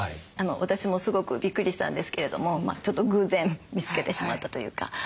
私もすごくびっくりしたんですけれどもちょっと偶然見つけてしまったというか。